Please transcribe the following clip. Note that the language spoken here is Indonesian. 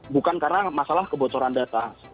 bukan karena masalah kebocoran data